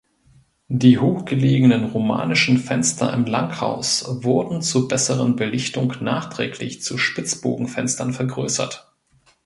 Die hochgelegenen romanischen Fenster im Langhaus wurden zur besseren Belichtung nachträglich zu Spitzbogenfenstern vergrößert.